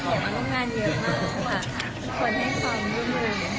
ขอให้ความลุ้มลืม